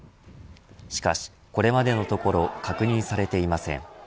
しかし、これまでのところ確認されていません。